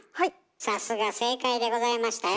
さすが正解でございましたよ。